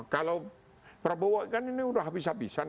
kalau prabowo kan ini udah habis habisan